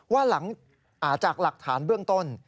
ว่าหลังจากหลักฐานเบื้องต้น